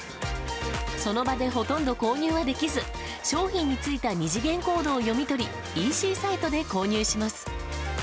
その場でほとんど購入はできず商品についた二次元コードを読み取りＥＣサイトで購入します。